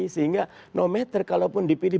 sehingga no matter kalaupun dipilih